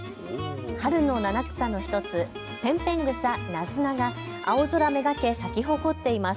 春の七草の１つ、ペンペングサ、ナズナが青空めがけ咲き誇っています。